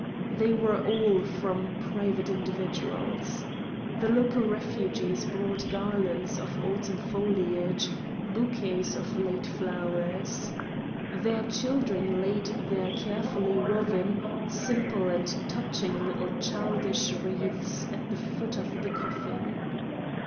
They were all from private in dividuals. The local refugees brought garlands of autumn foliage, bouquets of late flowers. Their children laid their carefully woven, simple and touching little childish wreaths at the foot of the coffin.